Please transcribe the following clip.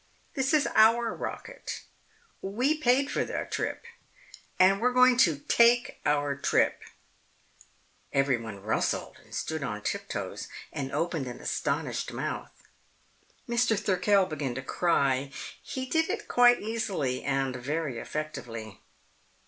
"This is our rocket. We paid for our trip. And we're going to take our trip!" Everyone rustled and stood on tiptoes and opened an astonished mouth. Mr. Thirkell began to cry. He did it quite easily and very effectively.